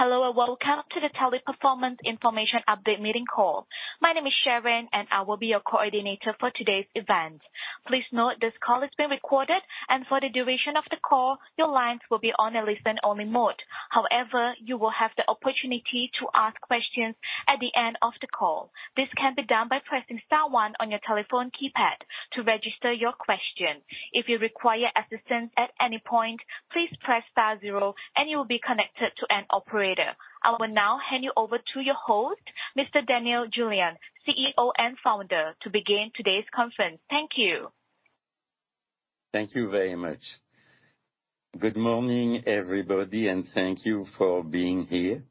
Hello, and welcome to the Teleperformance information update meeting call. My name is Sharon, and I will be your coordinator for today's event. Please note this call is being recorded, and for the duration of the call, your lines will be on a listen-only mode. However, you will have the opportunity to ask questions at the end of the call. This can be done by pressing star one on your telephone keypad to register your question. If you require assistance at any point, please press star zero and you will be connected to an operator. I will now hand you over to your host, Mr. Daniel Julien, CEO and Founder, to begin today's conference. Thank you. Thank you very much. Good morning, everybody, and thank you for being here.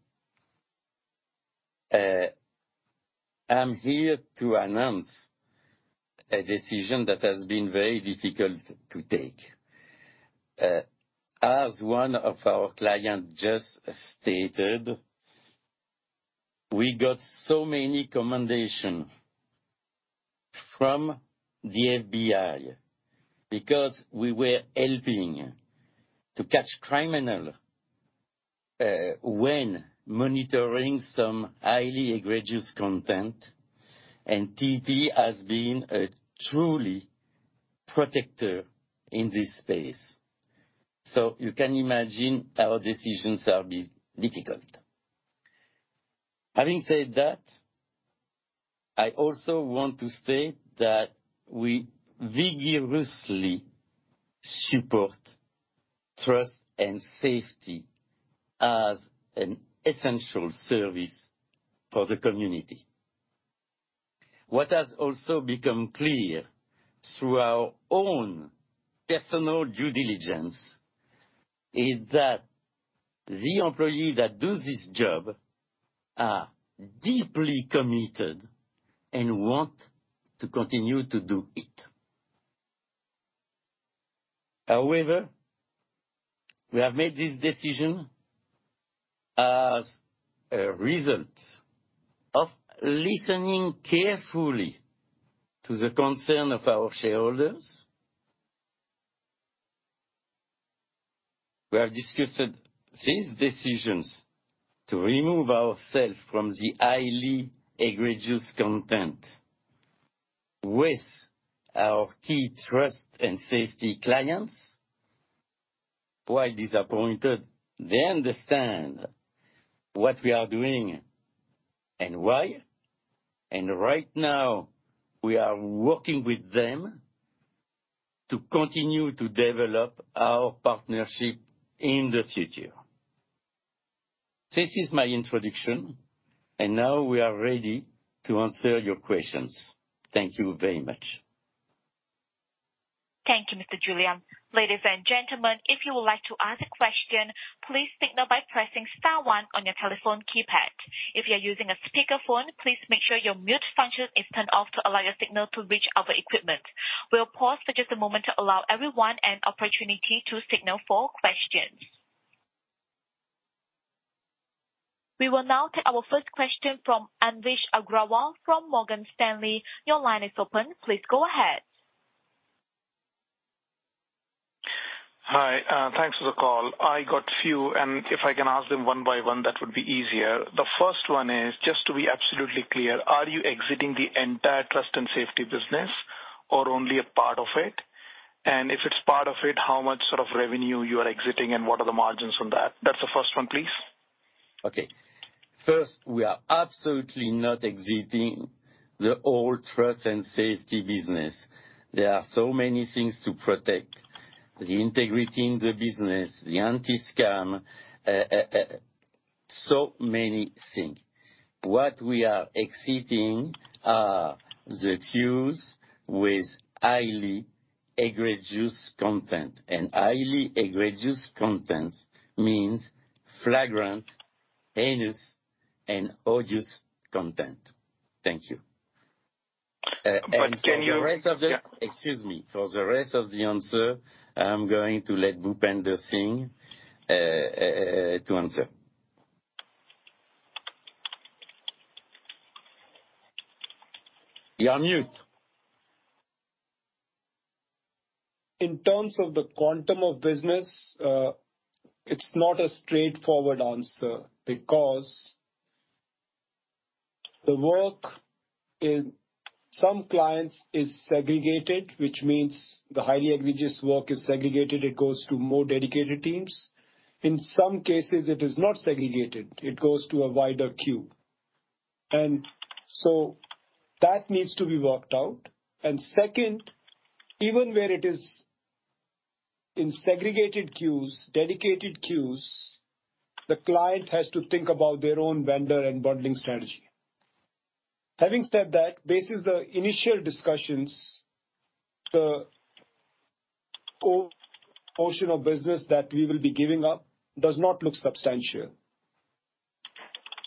I'm here to announce a decision that has been very difficult to take. As one of our client just stated, we got so many commendation from the FBI because we were helping to catch criminal when monitoring some highly egregious content, and TP has been a truly protector in this space. You can imagine our decisions are difficult. Having said that, I also want to state that we vigorously support trust and safety as an essential service for the community. What has also become clear through our own personal due diligence is that the employee that do this job are deeply committed and want to continue to do it. However, we have made this decision as a result of listening carefully to the concern of our shareholders. We have discussed these decisions to remove ourself from the highly egregious content with our key trust and safety clients. While disappointed, they understand what we are doing and why, and right now we are working with them to continue to develop our partnership in the future. This is my introduction and now we are ready to answer your questions. Thank you very much. Thank you, Mr. Julien. Ladies and gentlemen, if you would like to ask a question, please signal by pressing star one on your telephone keypad. If you're using a speakerphone, please make sure your mute function is turned off to allow your signal to reach our equipment. We'll pause for just a moment to allow everyone an opportunity to signal for questions. We will now take our first question from Anvesh Agrawal from Morgan Stanley. Your line is open. Please go ahead. Hi, thanks for the call. I got few, and if I can ask them one by one that would be easier. The first one is, just to be absolutely clear, are you exiting the entire trust and safety business or only a part of it? If it's part of it, how much sort of revenue you are exiting and what are the margins from that? That's the first one, please. Okay. First, we are absolutely not exiting the whole trust and safety business. There are so many things to protect, the integrity in the business, the anti-scam, so many things. What we are exiting are the queues with highly egregious content. Highly egregious content means flagrant, heinous, and odious content. Thank you. Can you? For the rest of the answer, I'm going to let Bhupender Singh to answer. You're on mute. In terms of the quantum of business, it's not a straightforward answer because the work in some clients is segregated, which means the highly egregious work is segregated. It goes to more dedicated teams. In some cases, it is not segregated. It goes to a wider queue. That needs to be worked out. Second, even where it is in segregated queues, dedicated queues, the client has to think about their own vendor and bundling strategy. Having said that, based the initial discussions, the portion of business that we will be giving up does not look substantial.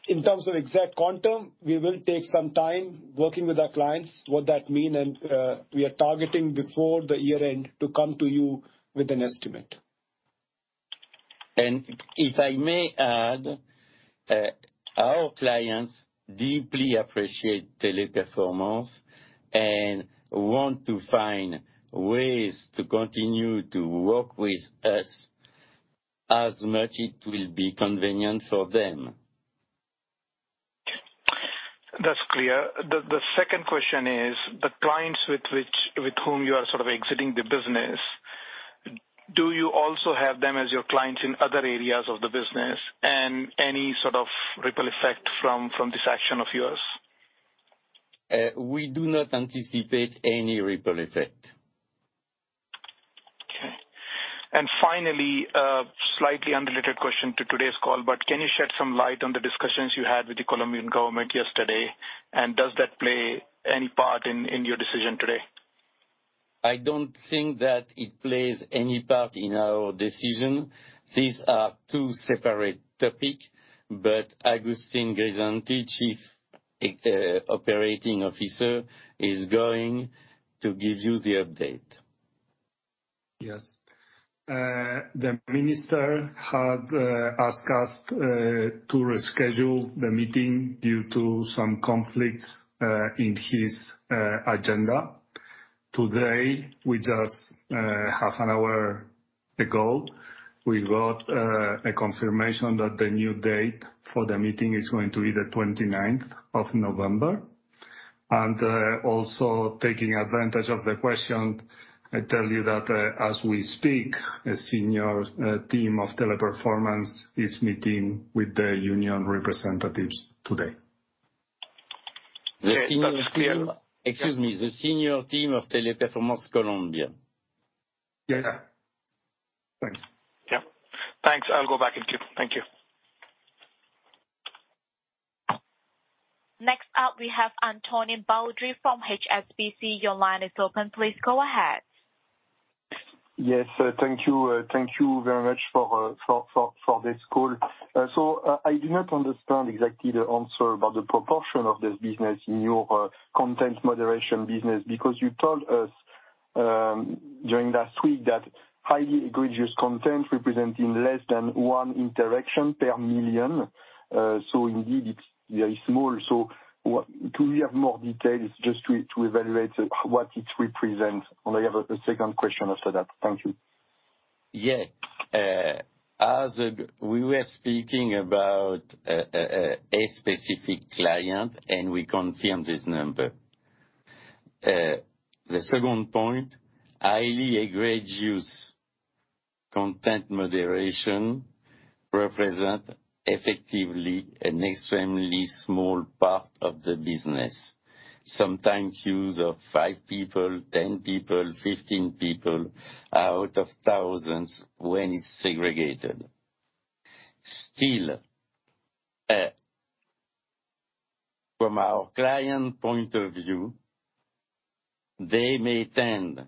In terms of exact quantum, we will take some time working with our clients, what that mean, and we are targeting before the year end to come to you with an estimate. If I may add, our clients deeply appreciate Teleperformance and want to find ways to continue to work with us as much it will be convenient for them. That's clear. The second question is, the clients with whom you are sort of exiting the business, do you also have them as your clients in other areas of the business? Any sort of ripple effect from this action of yours? We do not anticipate any ripple effect. Okay. Finally, slightly unrelated question to today's call, but can you shed some light on the discussions you had with the Colombian government yesterday? Does that play any part in your decision today? I don't think that it plays any part in our decision. These are two separate topic, but Agustin Grisanti, Chief Operating Officer, is going to give you the update. Yes. The Minister had asked us to reschedule the meeting due to some conflicts in his agenda. Today, with just half an hour ago, we got a confirmation that the new date for the meeting is going to be the 29th of November. Also taking advantage of the question, I tell you that, as we speak, a senior team of Teleperformance is meeting with the union representatives today. The senior team. That's clear. Excuse me. The senior team of Teleperformance Colombia. Yeah. Thanks. Yeah. Thanks. I'll go back in queue. Thank you. Next up we have Antonin Baudry from HSBC. Your line is open. Please go ahead. Yes. Thank you very much for this call. I do not understand exactly the answer about the proportion of this business in your content moderation business, because you told us during last week that highly egregious content representing less than one interaction per 1 million. Indeed it's very small. Do we have more details just to evaluate what it represents? I have a second question after that. Thank you. Yeah. As we were speaking about a specific client, we confirm this number. The second point, highly egregious content moderation represent effectively an extremely small part of the business. Sometimes queues of five people, 10 people, 15 people out of thousands when it's segregated. Still, from our client point of view, they may tend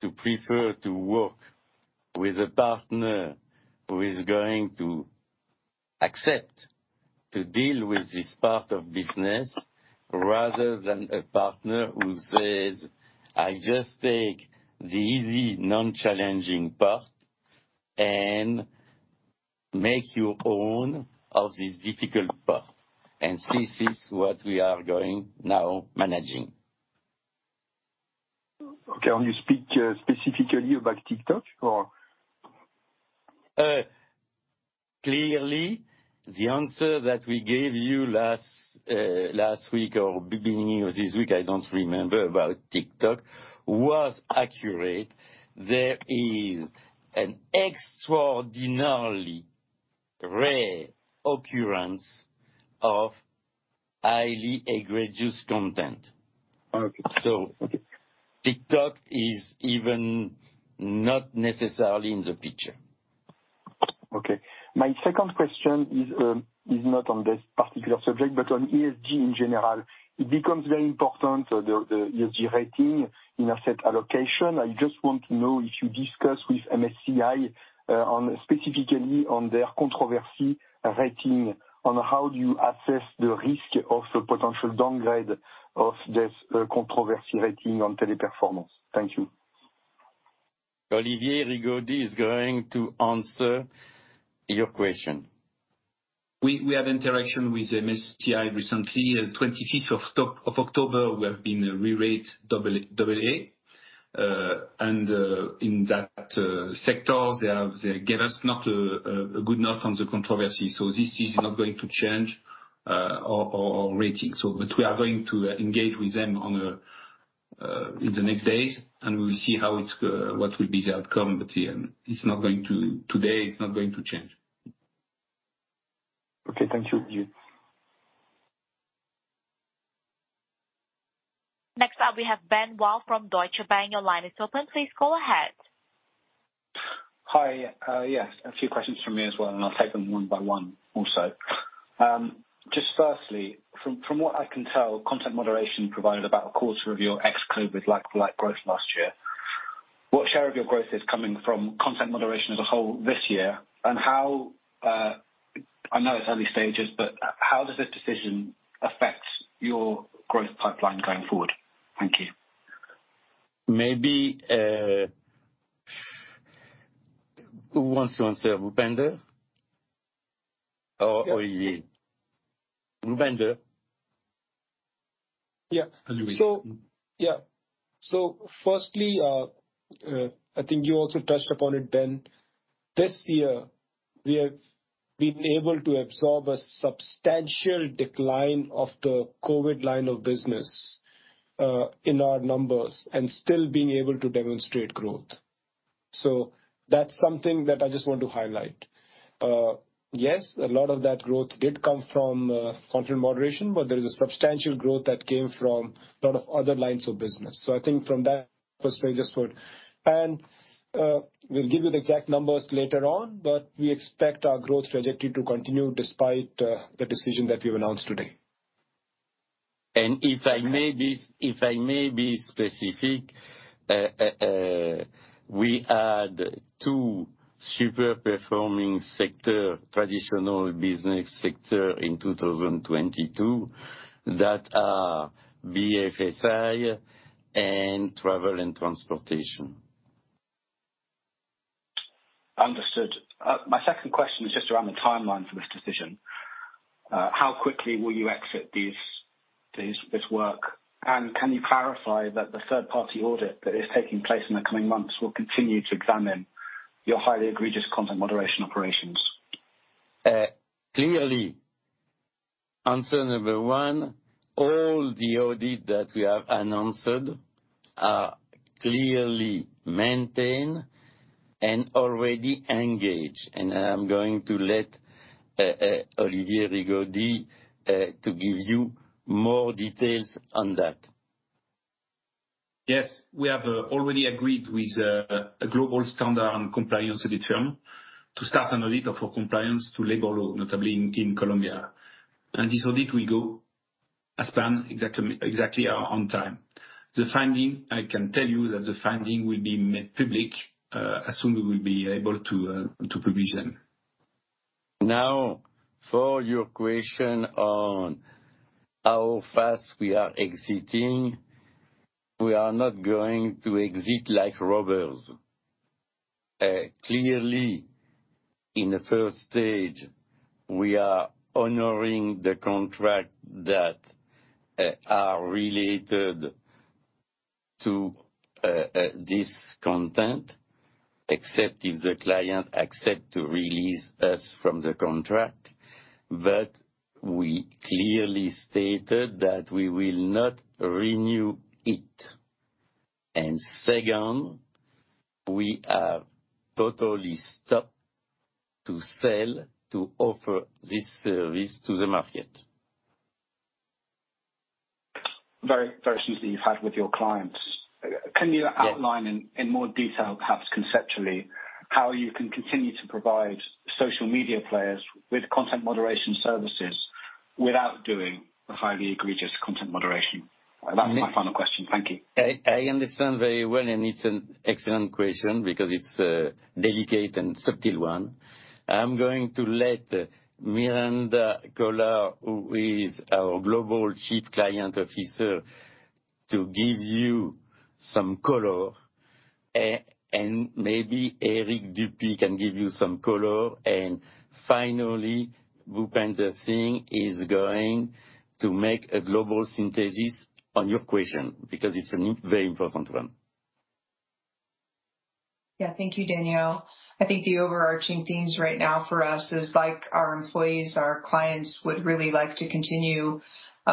to prefer to work with a partner who is going to accept to deal with this part of business, rather than a partner who says, "I just take the easy, non-challenging part and make your own of this difficult part." This is what we are going now managing. Okay. Can you speak specifically about TikTok? Clearly, the answer that we gave you last week or beginning of this week, I don't remember, about TikTok, was accurate. There is an extraordinarily rare occurrence of highly egregious content. Okay. So- Okay. TikTok is even not necessarily in the picture. Okay. My second question is not on this particular subject, but on ESG in general. It becomes very important, the ESG rating in asset allocation. I just want to know if you discuss with MSCI specifically on their controversy rating, on how do you assess the risk of a potential downgrade of this controversy rating on Teleperformance. Thank you. Olivier Rigaudy is going to answer your question. We had interaction with MSCI recently. On 25th of October, we have been rerated AA. In that sector, they gave us not a good note on the controversy. This is not going to change our rating. We are going to engage with them in the next days. We will see what will be the outcome. Yeah, today, it's not going to change. Okay. Thank you. Next up we have Ben Wild from Deutsche Bank. Your line is open. Please go ahead. Hi. Yes, a few questions from me as well, and I'll take them one by one also. Just firstly, from what I can tell, content moderation provided about quarter of your ex-Majorel like-for-like growth last year. What share of your growth is coming from content moderation as a whole this year? I know it's early stages, but how does this decision affect your growth pipeline going forward? Thank you. Maybe, who wants to answer, Bhupender or Olivier? Bhupender. Yeah. Firstly, I think you also touched upon it, Ben. This year, we have been able to absorb a substantial decline of the COVID line of business in our numbers and still being able to demonstrate growth. That's something that I just want to highlight. Yes, a lot of that growth did come from content moderation, but there is a substantial growth that came from a lot of other lines of business. I think from that perspective. We'll give you the exact numbers later on, but we expect our growth trajectory to continue despite the decision that we've announced today. If I may be specific, we had two super performing sector, traditional business sector in 2022 that are BFSI and travel and transportation. Understood. My second question is just around the timeline for this decision. How quickly will you exit this work? Can you clarify that the third-party audit that is taking place in the coming months will continue to examine your highly egregious content moderation operations? Clearly. Answer number one, all the audit that we have announced are clearly maintained and already engaged. I am going to let Olivier Rigaudy to give you more details on that. Yes, we have already agreed with a global standard on compliance audit firm to start an audit for compliance to labor law, notably in Colombia. This audit will go as planned, exactly on time. I can tell you that the finding will be made public as soon as we'll be able to publish them. Now, for your question on how fast we are exiting, we are not going to exit like robbers. Clearly, in the first stage, we are honoring the contract that are related to this content, except if the client accept to release us from the contract. We clearly stated that we will not renew it. Second, we have totally stopped to sell, to offer this service to the market. Very, very soon that you've had with your clients. Yes. Can you outline in more detail, perhaps conceptually, how you can continue to provide social media players with content moderation services without doing the highly egregious content moderation? That was my final question. Thank you. I understand very well, and it's an excellent question because it's a delicate and subtle one. I'm going to let Miranda Collard, who is our Global Chief Client Officer, to give you some color. Maybe Eric Dupuy can give you some color. Finally, Bhupender Singh is going to make a global synthesis on your question because it's a very important one. Yeah. Thank you, Daniel. I think the overarching themes right now for us is, like our employees, our clients would really like to continue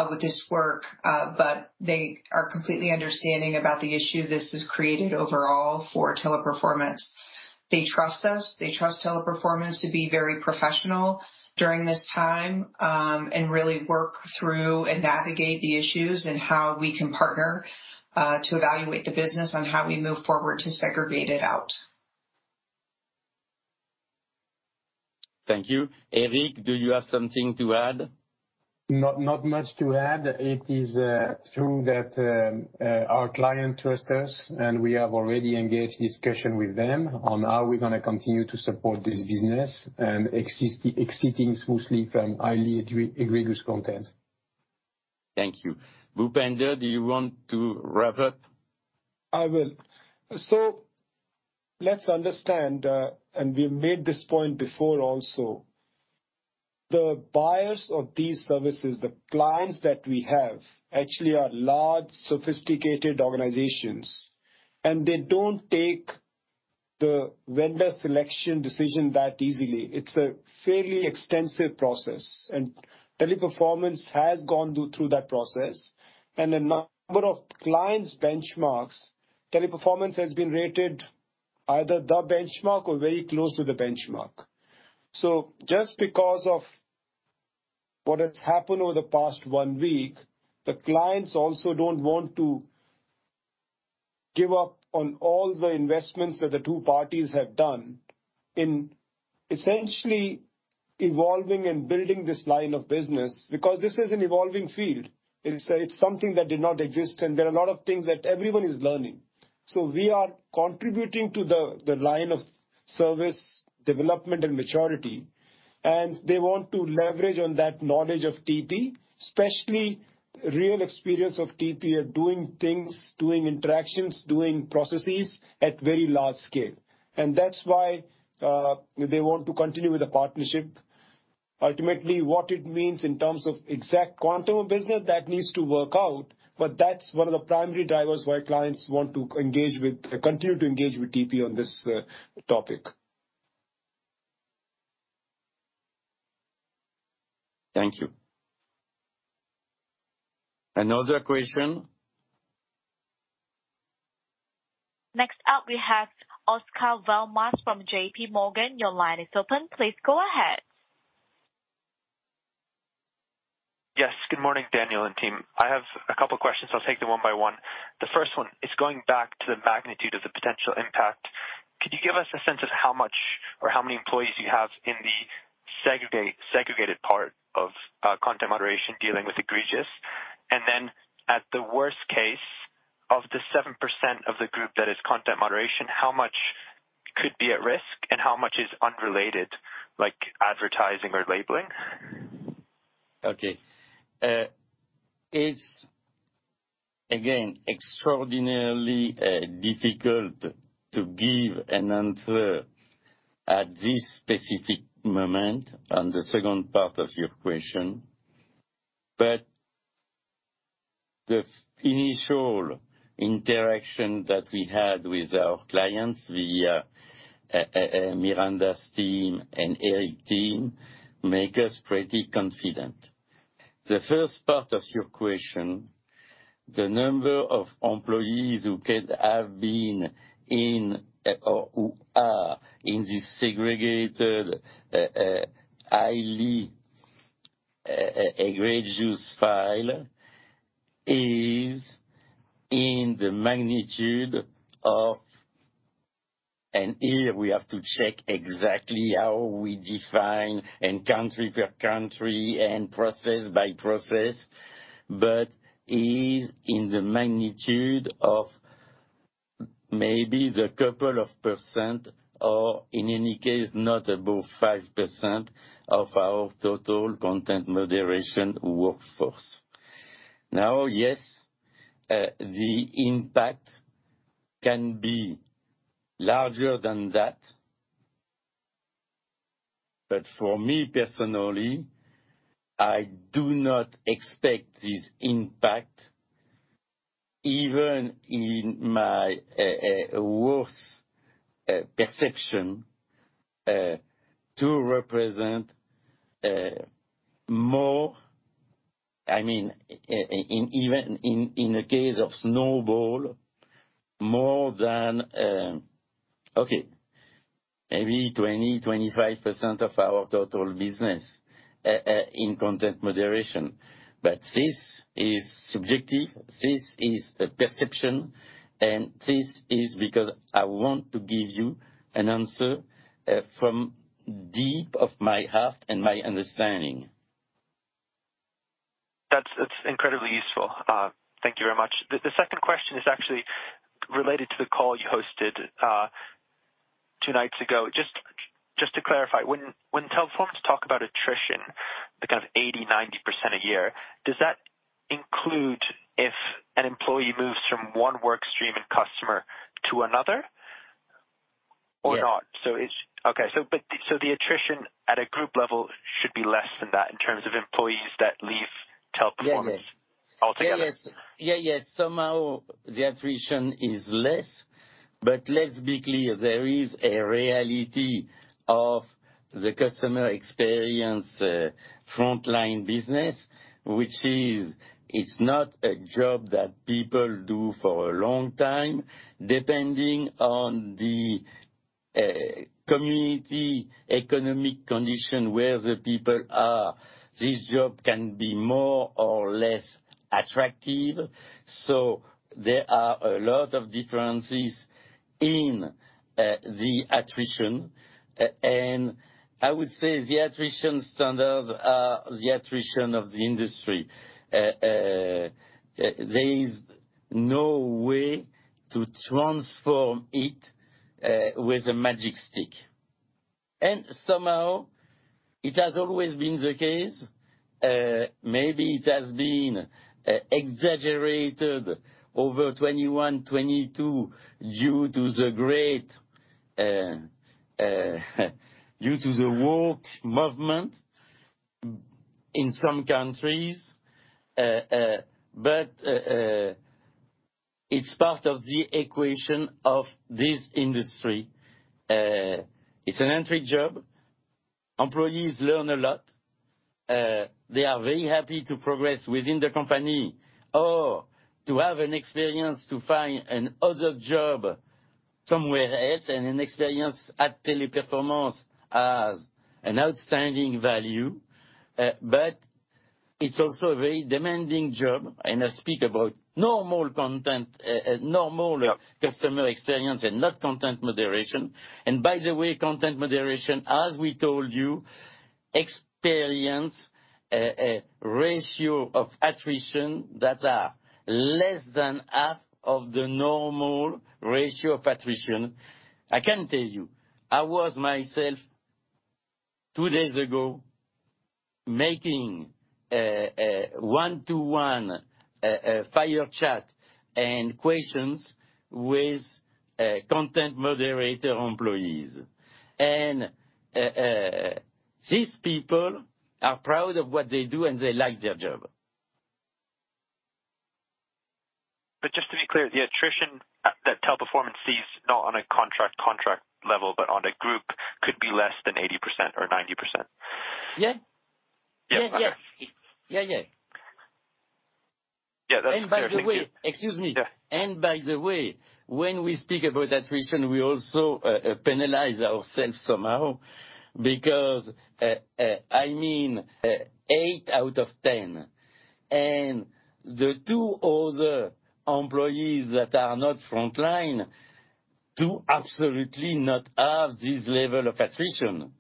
with this work, but they are completely understanding about the issue this has created overall for Teleperformance. They trust us. They trust Teleperformance to be very professional during this time and really work through and navigate the issues and how we can partner to evaluate the business on how we move forward to segregate it out. Thank you. Eric, do you have something to add? Not much to add. It is true that our client trust us, and we have already engaged discussion with them on how we're gonna continue to support this business and exiting smoothly from highly egregious content. Thank you. Bhupender, do you want to wrap up? I will. Let's understand, and we made this point before also, the buyers of these services, the clients that we have actually are large, sophisticated organizations, and they don't take the vendor selection decision that easily. It's a fairly extensive process, and Teleperformance has gone through that process. A number of clients benchmarks, Teleperformance has been rated either the benchmark or very close to the benchmark. Just because of what has happened over the past one week, the clients also don't want to give up on all the investments that the two parties have done in essentially evolving and building this line of business, because this is an evolving field. It's something that did not exist. There are a lot of things that everyone is learning. We are contributing to the line of service development and maturity, and they want to leverage on that knowledge of TP, especially real experience of TP at doing things, doing interactions, doing processes at very large scale. That's why they want to continue with the partnership. Ultimately, what it means in terms of exact quantum of business, that needs to work out, but that's one of the primary drivers why clients want to continue to engage with TP on this topic. Thank you. Another question? Next up, we have Oscar Val Mas from JPMorgan. Your line is open. Please go ahead. Yes, good morning, Daniel and team. I have a couple questions. I'll take them one by one. The first one is going back to the magnitude of the potential impact. Could you give us a sense of how much or how many employees you have in the segregated part of content moderation dealing with egregious? At the worst case, of the 7% of the group that is content moderation, how much could be at risk and how much is unrelated, like advertising or labeling? Okay. It's again, extraordinarily difficult to give an answer at this specific moment on the second part of your question. The initial interaction that we had with our clients via Miranda's team and Eric's team make us pretty confident. The first part of your question, the number of employees who could have been in or who are in this segregated, highly egregious file is in the magnitude of. Here we have to check exactly how we define and country per country and process by process, but is in the magnitude of maybe the couple of percent or in any case not above 5% of our total content moderation workforce. Now, yes, the impact can be larger than that. For me, personally, I do not expect this impact, even in my worst perception, to represent more, I mean, even in the case of snowball, more than maybe 20%-25% of our total business in content moderation. This is subjective, this is a perception, and this is because I want to give you an answer from deep of my heart and my understanding. That's incredibly useful. Thank you very much. The second question is actually related to the call you hosted two nights ago. Just to clarify, when Teleperformance talk about attrition, the kind of 80%-90% a year, does that include if an employee moves from one workstream and customer to another or not? Yes. So it's... Okay. So, but, so the attrition at a group level should be less than that in terms of employees that leave Teleperformance- Yes, yes. -altogether. Yeah, yes. Somehow the attrition is less, but let's be clear, there is a reality of the customer experience frontline business, which is it's not a job that people do for a long time. Depending on the community economic condition where the people are, this job can be more or less attractive. There are a lot of differences in the attrition. I would say the attrition standards are the attrition of the industry. There is no way to transform it with a magic stick. Somehow it has always been the case, maybe it has been exaggerated over 2021, 2022 due to the work movement in some countries, it's part of the equation of this industry. It's an entry job. Employees learn a lot. They are very happy to progress within the company or to have an experience to find another job somewhere else and an experience at Teleperformance as an outstanding value. It's also a very demanding job, and I speak about normal content, normal customer experience and not content moderation. By the way, content moderation, as we told you, experience a ratio of attrition that are less than half of the normal ratio of attrition. I can tell you, I was myself, two days ago, making a one-to-one fireside chat and questions with content moderator employees. These people are proud of what they do, and they like their job. Just to be clear, the attrition that Teleperformance sees not on a contract level, but on a group, could be less than 80% or 90%? Yeah. Yeah. Okay. Yes. Yeah, yeah. Yeah, that's clear. Thank you. By the way, excuse me. Yeah. By the way, when we speak about attrition, we also penalize ourselves somehow, because, I mean, eight out of 10 and the two other employees that are not front line do absolutely not have this level of attrition.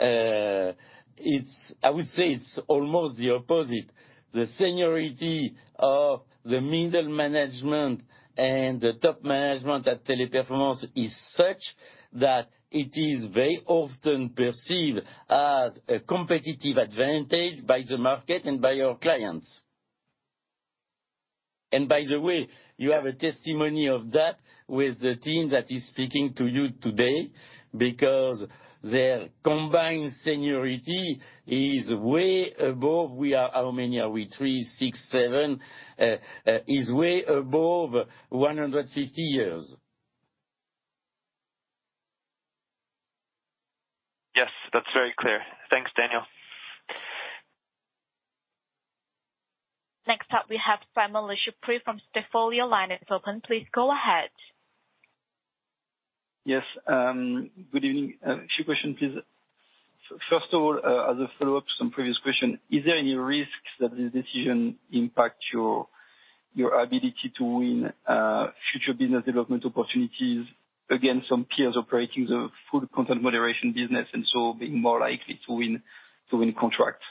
I would say it's almost the opposite. The seniority of the middle management and the top management at Teleperformance is such that it is very often perceived as a competitive advantage by the market and by our clients. By the way, you have a testimony of that with the team that is speaking to you today, because their combined seniority is way above we are. How many are we? Three, six, seven is way above 150 years. Yes. That's very clear. Thanks, Daniel. Next up, we have Simon Lechipre from Stifel. Your line is open. Please go ahead. Yes. Good evening. A few questions, please. First of all, as a follow-up to some previous question, is there any risks that this decision impact your ability to win future business development opportunities against some peers operating the full content moderation business and so being more likely to win contracts?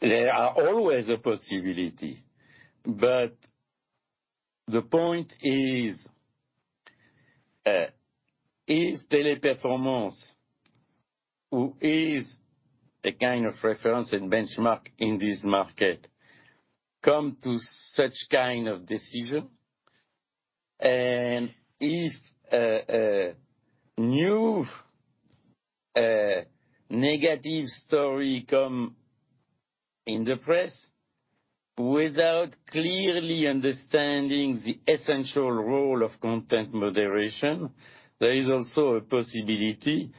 There are always a possibility, but the point is, if Teleperformance, who is a kind of reference and benchmark in this market, come to such kind of decision, and if a new negative story come in the press without clearly understanding the essential role of content moderation, there is also a possibility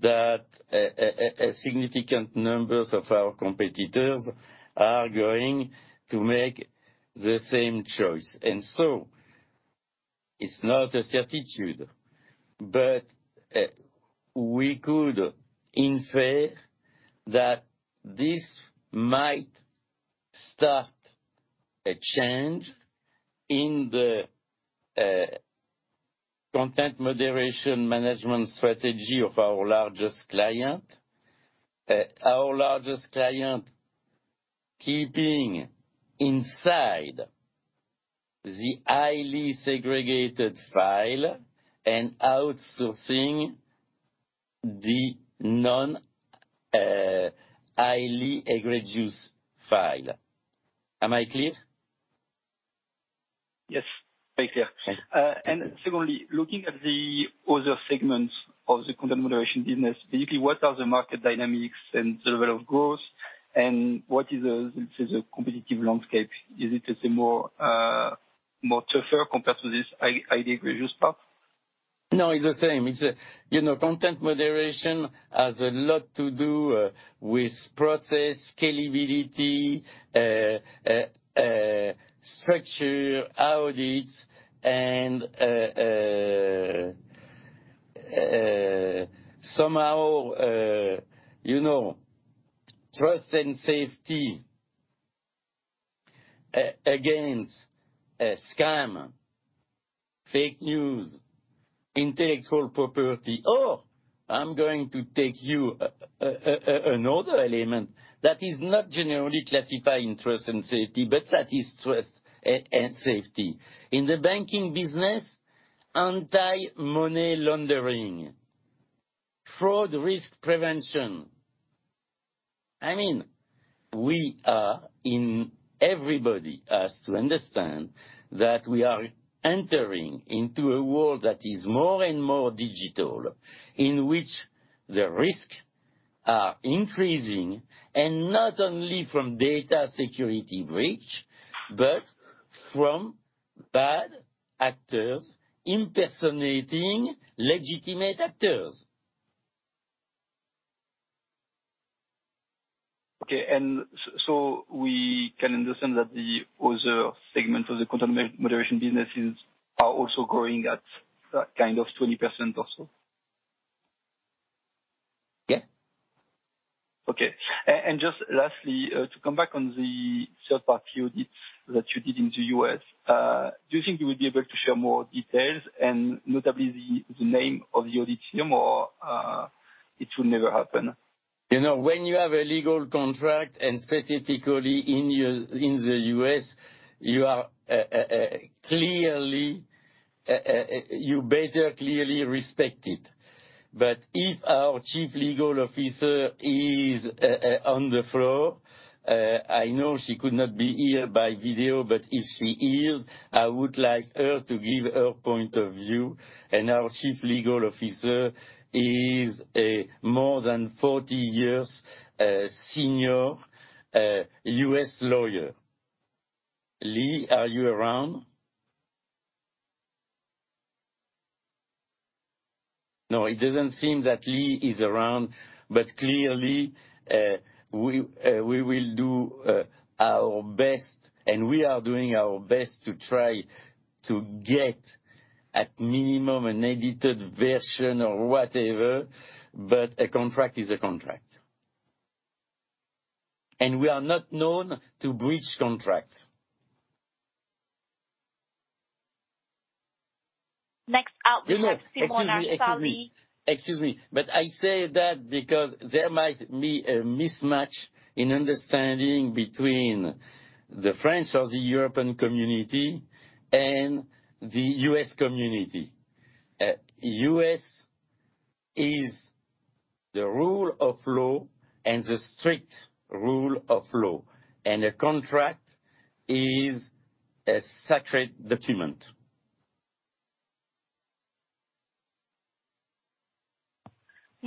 that a significant numbers of our competitors are going to make the same choice. It's not a certitude, but we could infer that this might start a change in the content moderation management strategy of our largest client. Our largest client keeping inside the highly segregated file and outsourcing the non highly egregious file. Am I clear. Yes, very clear. Okay. Secondly, looking at the other segments of the content moderation business, specifically, what are the market dynamics and the level of growth and what is the competitive landscape? Is it, let's say, more tougher compared to this highly egregious part? No, it's the same. You know, content moderation has a lot to do with process, scalability, structure, audits and somehow, you know, trust and safety against scam, fake news, intellectual property. I'm going to take you another element that is not generally classified in trust and safety, but that is trust and safety. In the banking business, anti-money laundering, fraud risk prevention. Everybody has to understand that we are entering into a world that is more and more digital, in which the risk are increasing, and not only from data security breach, but from bad actors impersonating legitimate actors. Okay. We can understand that the other segments of the content moderation businesses are also growing at that kind of 20% also? Yeah. Okay. Just lastly, to come back on the third-party audit that you did in the U.S., do you think you will be able to share more details and notably the name of the audit team or it will never happen? You know, when you have a legal contract, and specifically in the U.S., you better clearly respect it. If our Chief Legal Officer is on the floor, I know she could not be here by video, but if she is, I would like her to give her point of view. Our Chief Legal Officer is a more than 40 years senior U.S. lawyer. Lee, are you around? No, it doesn't seem that Lee is around. Clearly, we will do our best, and we are doing our best to try to get at minimum an edited version or whatever, but a contract is a contract. We are not known to breach contracts. Next up we have Simona Sarli. Excuse me. I say that because there might be a mismatch in understanding between the French or the European Community and the U.S. community. U.S. is the rule of law and the strict rule of law, and a contract is a sacred document.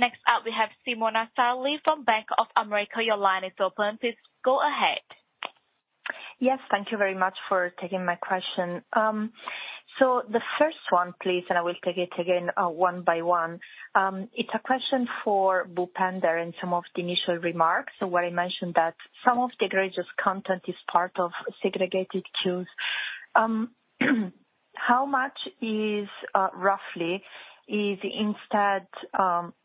Next up, we have Simona Sarli from Bank of America. Your line is open. Please go ahead. Yes. Thank you very much for taking my question. The first one, please, and I will take it again, one by one. It's a question for Bhupender and some of the initial remarks where he mentioned that some of the egregious content is part of segregated queues. How much is roughly instead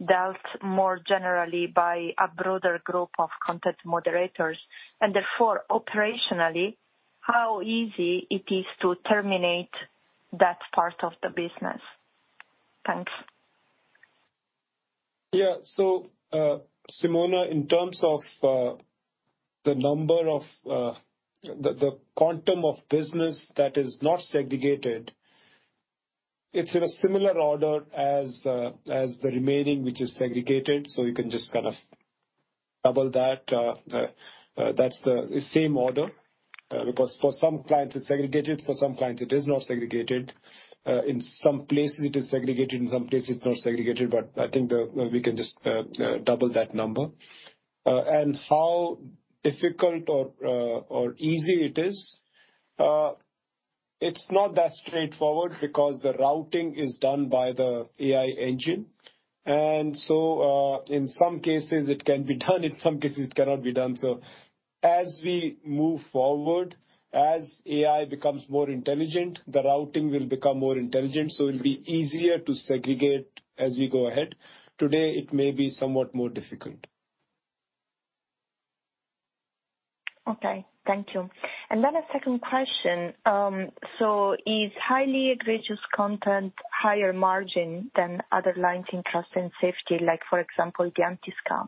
dealt more generally by a broader group of content moderators? Therefore, operationally, how easy it is to terminate that part of the business? Thanks. Yeah. Simona, in terms of the quantum of business that is not segregated, it's in a similar order as the remaining, which is segregated. You can just kind of double that. That's the same order because for some clients it's segregated, for some clients it is not segregated. In some places it is segregated, in some places it's not segregated, but I think we can just double that number. How difficult or easy it is, it's not that straightforward because the routing is done by the AI engine. In some cases it can be done, in some cases it cannot be done. As we move forward, as AI becomes more intelligent, the routing will become more intelligent, so it'll be easier to segregate as we go ahead. Today, it may be somewhat more difficult. Okay. Thank you. A second question. Is highly egregious content higher margin than other lines in trust and safety, like, for example, the anti-scam?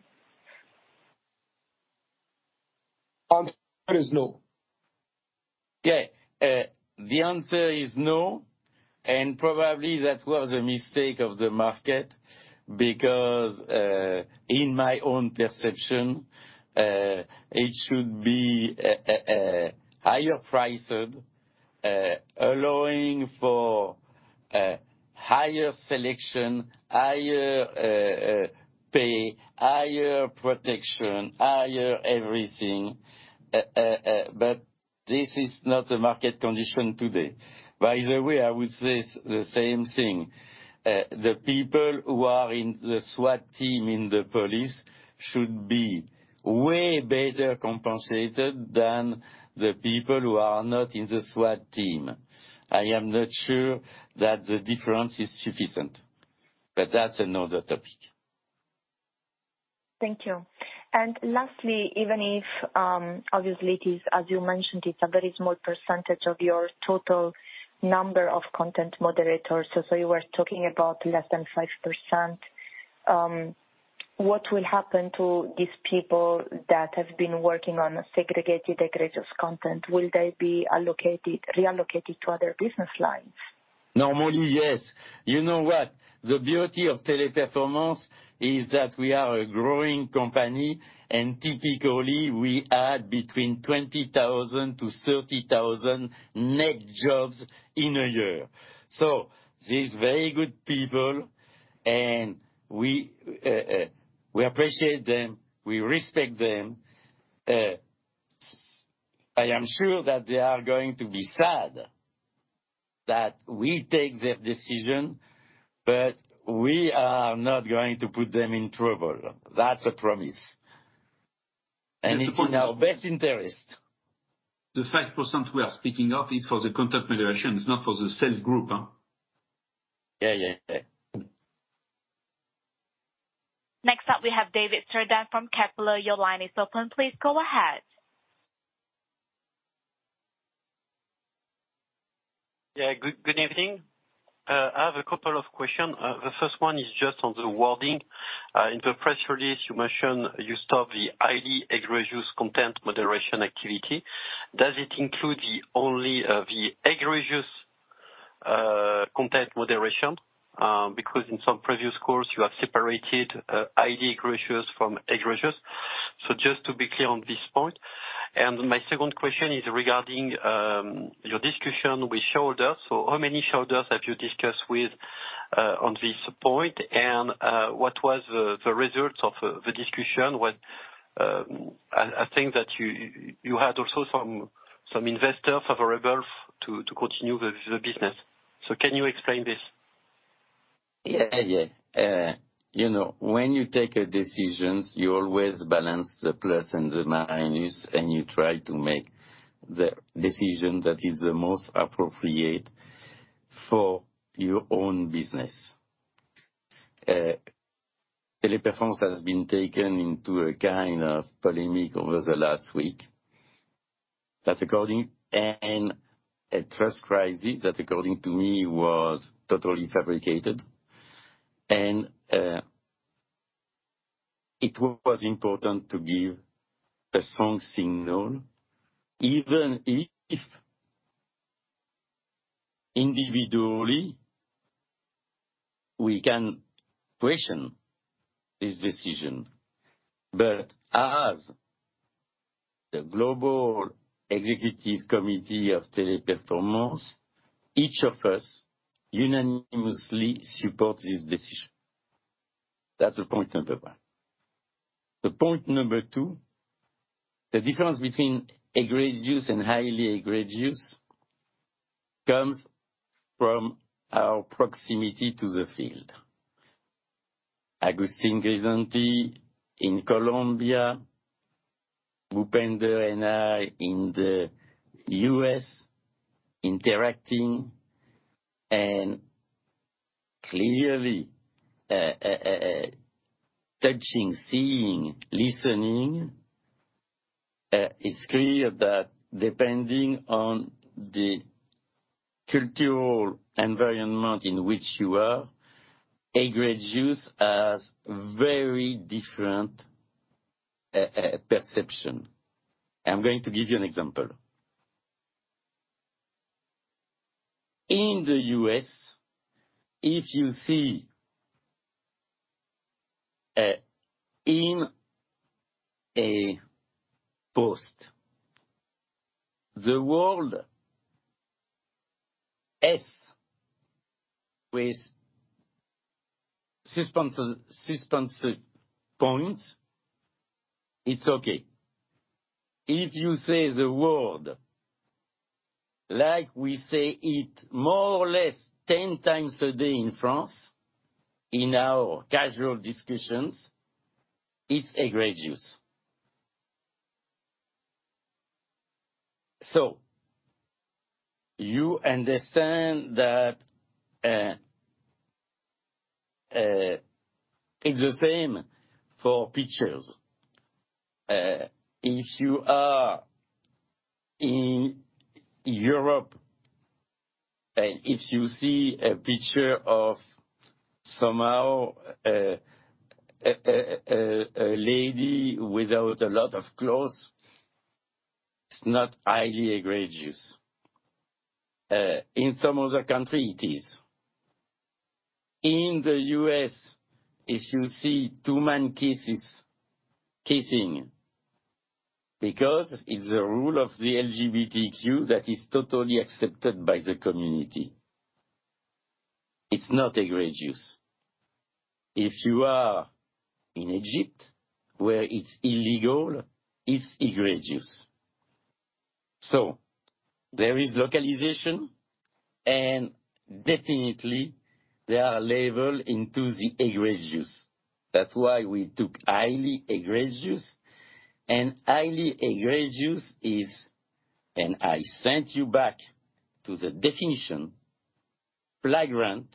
Answer is no. Yeah. The answer is no. Probably that was a mistake of the market because, in my own perception, it should be higher priced, allowing for higher selection, higher pay, higher protection, higher everything. This is not the market condition today. By the way, I would say the same thing. The people who are in the SWAT team in the police should be way better compensated than the people who are not in the SWAT team. I am not sure that the difference is sufficient, but that's another topic. Thank you. Lastly, even if, obviously, as you mentioned, it's a very small percentage of your total number of content moderators, so you were talking about less than 5%, what will happen to these people that have been working on segregated egregious content? Will they be reallocated to other business lines? Normally, yes. You know what? The beauty of Teleperformance is that we are a growing company, and typically we add between 20,000-30,000 net jobs in a year. These very good people, and we appreciate them, we respect them. I am sure that they are going to be sad that we take that decision, but we are not going to put them in trouble. That's a promise. It's in our best interests. The 5% we are speaking of is for the content moderation, it's not for the sales group. Yeah. Next up we have David Cerdan from Kepler. Your line is open. Please go ahead. Good evening. I have a couple of questions. The first one is just on the wording. In the press release you mentioned you stop the highly egregious content moderation activity. Does it include only the egregious content moderation? Because in some previous calls you have separated highly egregious from egregious. Just to be clear on this point. My second question is regarding your discussion with shareholders. How many shareholders have you discussed with on this point? What was the results of the discussion? I think that you had also some investors favorable to continue with the business. Can you explain this? Yeah, yeah. You know, when you take decisions, you always balance the plus and the minus, and you try to make the decision that is the most appropriate for your own business. Teleperformance has been taken into a kind of polemic over the last week. A trust crisis that according to me was totally fabricated. It was important to give a strong signal, even if individually we can question this decision. As the Global Executive Committee of Teleperformance, each of us unanimously support this decision. That's point number one. The point number two, the difference between egregious and highly egregious comes from our proximity to the field. Agustin Grisanti in Colombia, Bhupender and I in the U.S. interacting and clearly touching, seeing, listening. It's clear that depending on the cultural environment in which you are, egregious has very different perception. I'm going to give you an example. In the U.S., if you see in a post the word S with suspensive points, it's okay. If you say the word like we say it more or less 10 times a day in France in our casual discussions, it's egregious. You understand that it's the same for pictures. If you are in Europe, and if you see a picture of somehow a lady without a lot of clothes, it's not highly egregious. In some other country, it is. In the U.S., if you see two men kissing because it's the rule of the LGBTQ that is totally accepted by the community, it's not egregious. If you are in Egypt where it's illegal, it's egregious. There is localization, and definitely there are level into the egregious. That's why we took highly egregious. Highly egregious is, and I sent you back to the definition, flagrant,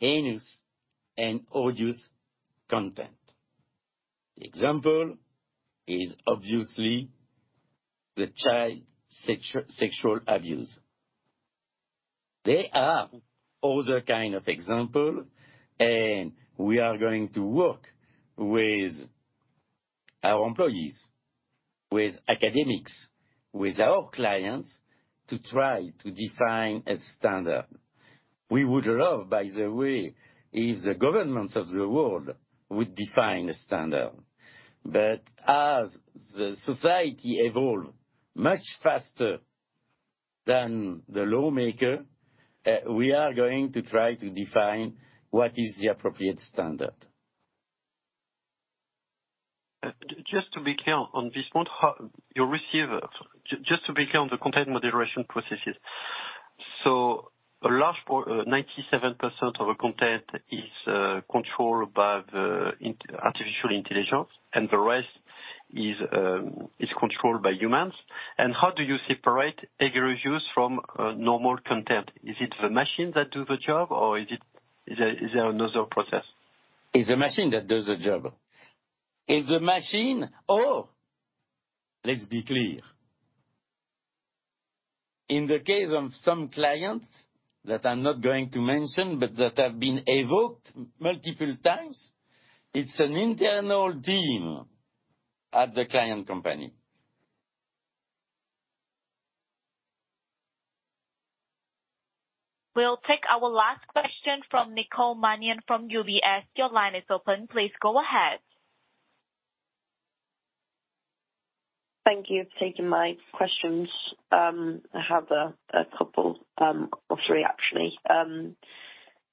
heinous, and odious content. The example is obviously the child sexual abuse. There are other kind of example, and we are going to work with our employees, with academics, with our clients to try to define a standard. We would love, by the way, if the governments of the world would define a standard. As the society evolve much faster than the lawmaker, we are going to try to define what is the appropriate standard. Just to be clear on the content moderation processes, 97% of the content is controlled by the artificial intelligence and the rest is controlled by humans? How do you separate egregious from normal content? Is it the machine that do the job, or is there another process? It's the machine that does the job. Let's be clear. In the case of some clients that I'm not going to mention, but that have been evoked multiple times, it's an internal team at the client company. We'll take our last question from Nicole Manion from UBS. Your line is open. Please go ahead. Thank you for taking my questions. I have a couple or three actually.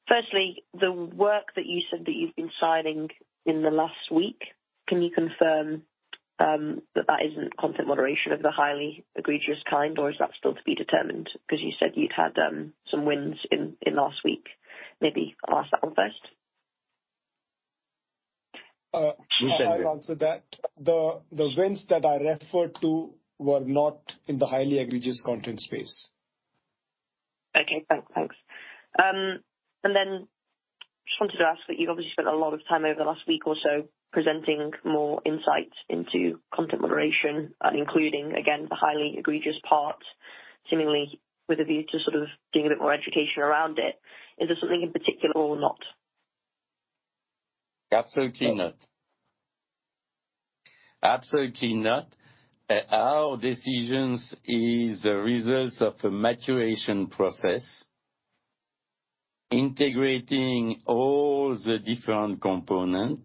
Firstly, the work that you said that you've been signing in the last week, can you confirm that that isn't content moderation of the highly egregious kind, or is that still to be determined? 'Cause you said you'd had some wins in last week. Maybe I'll ask that one first. Who said that? I'll answer that. The wins that I referred to were not in the highly egregious content space. Okay. Thanks. Just wanted to ask that you've obviously spent a lot of time over the last week or so presenting more insights into content moderation and including, again, the highly egregious part, seemingly with a view to sort of doing a bit more education around it. Is there something in particular or not? Absolutely not. Absolutely not. Our decisions is a result of a maturation process, integrating all the different component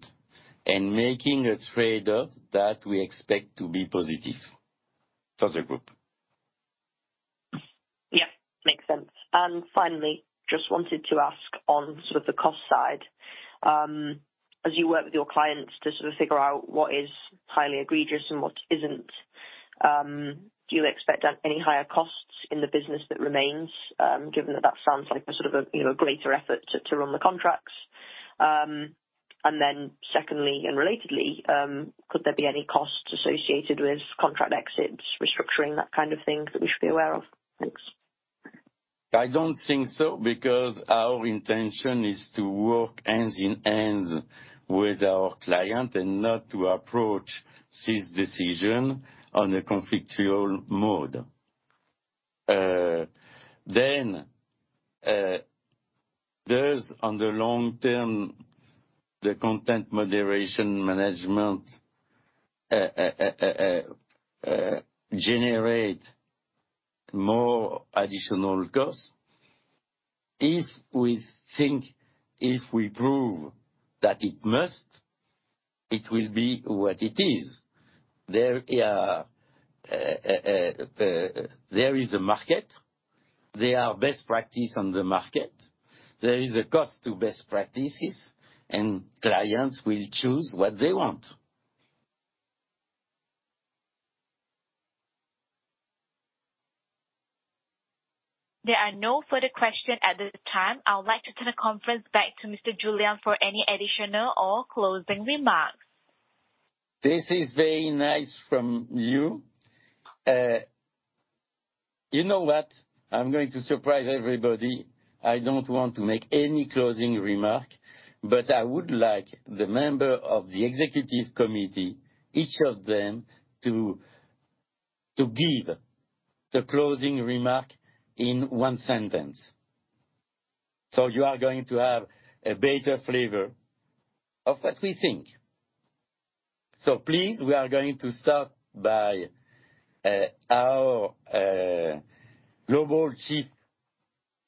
and making a trade-off that we expect to be positive for the group. Yeah, makes sense. Finally, just wanted to ask on sort of the cost side, as you work with your clients to sort of figure out what is highly egregious and what isn't, do you expect any higher costs in the business that remains, given that sounds like a sort of, you know, a greater effort to run the contracts? Secondly and relatedly, could there be any costs associated with contract exits, restructuring, that kind of thing that we should be aware of? Thanks. I don't think so because our intention is to work hand in hand with our client and not to approach this decision on a conflictual mode. Does on the long term the content moderation management generate more additional costs? If we think, if we prove that it must, it will be what it is. There is a market. There are best practice on the market. There is a cost to best practices and clients will choose what they want. There are no further question at this time. I would like to turn the conference back to Mr. Julien for any additional or closing remarks. This is very nice from you. You know what? I'm going to surprise everybody. I don't want to make any closing remark, but I would like the member of the Executive Committee, each of them to give the closing remark in one sentence. You are going to have a better flavor of what we think. Please, we are going to start by our Global Chief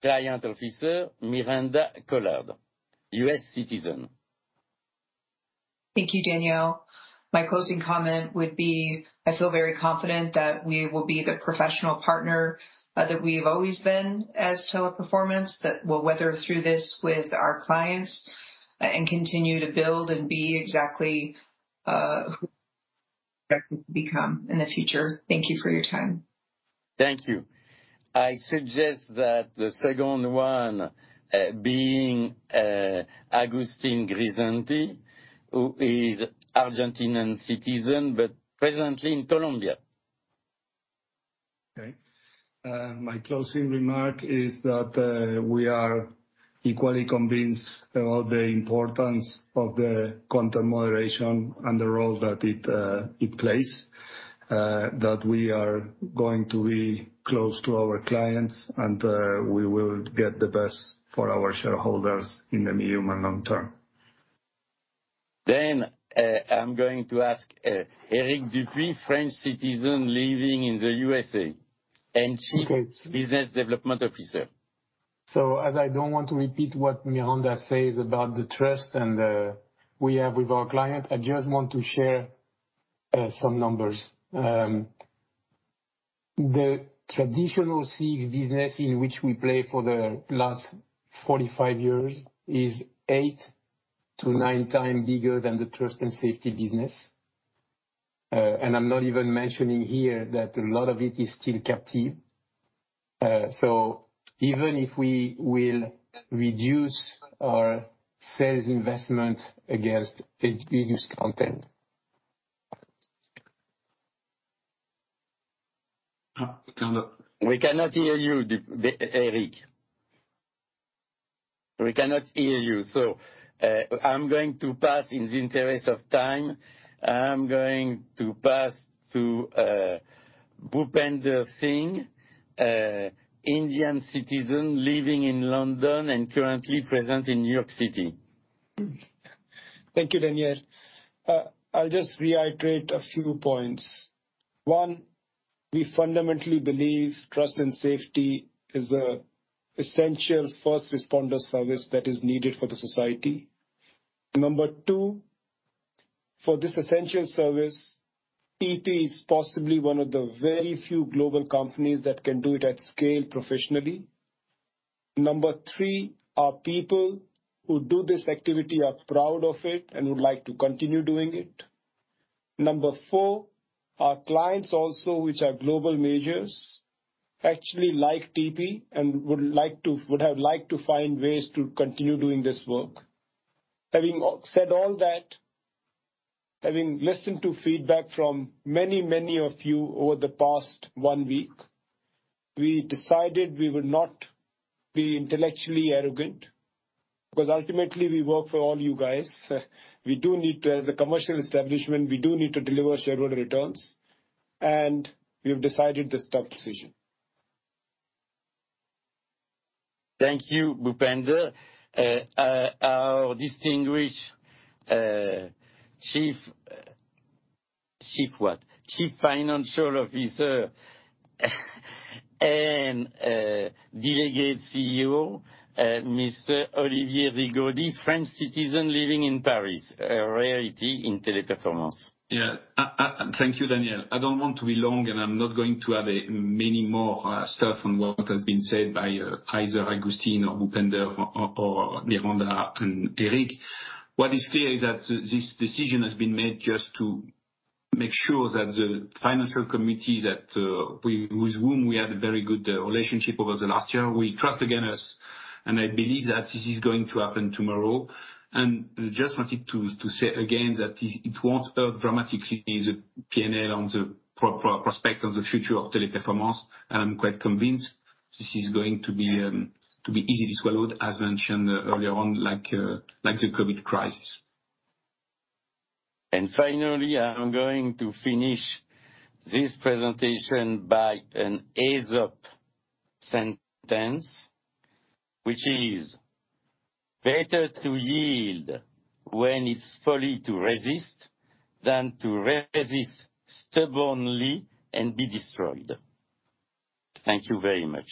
Client Officer, Miranda Collard, U.S. citizen. Thank you, Daniel. My closing comment would be, I feel very confident that we will be the professional partner that we've always been as Teleperformance. That we'll weather through this with our clients and continue to build and be exactly who we're expected to become in the future. Thank you for your time. Thank you. I suggest that the second one being Agustin Grisanti, who is Argentinian citizen, but presently in Colombia. Okay. My closing remark is that we are equally convinced about the importance of the content moderation and the role that it plays. That we are going to be close to our clients and we will get the best for our shareholders in the medium and long term. I'm going to ask Eric Dupuy, French citizen living in the USA. Okay. Chief Business Development Officer. As I don't want to repeat what Miranda says about the trust we have with our client, I just want to share some numbers. The traditional CS business in which we play for the last 45 years is 8x-9x bigger than the trust and safety business. I'm not even mentioning here that a lot of it is still captive. Even if we will reduce our sales investment against egregious content. Daniel. We cannot hear you, Eric. We cannot hear you. I'm going to pass in the interest of time. I'm going to pass to Bhupender Singh, Indian citizen living in London and currently present in New York City. Thank you, Daniel. I'll just reiterate a few points. One, we fundamentally believe trust and safety is an essential first responder service that is needed for the society. Number two, for this essential service, TP is possibly one of the very few global companies that can do it at scale professionally. Number three, our people who do this activity are proud of it and would like to continue doing it. Number four, our clients also, which are global majors, actually like TP and would have liked to find ways to continue doing this work. Having said all that, having listened to feedback from many of you over the past one week, we decided we would not be intellectually arrogant, because ultimately we work for all you guys. As a commercial establishment, we do need to deliver shareholder returns, and we've decided this tough decision. Thank you, Bhupinder. Our distinguished Chief what? Chief Financial Officer and Delegate CEO, Mr. Olivier Rigaudy, French citizen living in Paris, a rarity in Teleperformance. Yeah. Thank you, Daniel. I don't want to be long, and I'm not going to add many more stuff on what has been said by either Agustin or Bhupender or Miranda and Eric. What is clear is that this decision has been made just to make sure that the financial committees with whom we had a very good relationship over the last year will trust again us, and I believe that this is going to happen tomorrow. Just wanted to say again that it won't hurt dramatically the P&L on the prospect on the future of Teleperformance. I'm quite convinced this is going to be easily swallowed, as mentioned earlier on, like the COVID crisis. Finally, I'm going to finish this presentation by an Aesop sentence, which is, "Better to yield when it's folly to resist than to resist stubbornly and be destroyed." Thank you very much.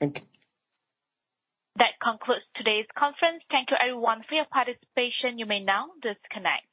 Thank you. That concludes today's conference. Thank you, everyone, for your participation. You may now disconnect.